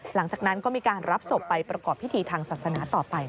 หลังจากนั้นก็มีการรับศพไปประกอบพิธีทางศาสนาต่อไป